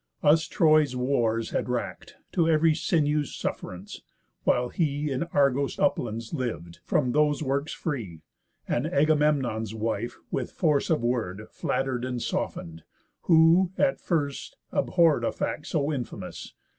Us Troy's wars had rack'd To ev'ry sinew's sufferance, while he In Argos' uplands liv'd, from those works free, And Agamemnon's wife with force of word Flatter'd and soften'd, who, at first, abhorr'd A fact so infamous.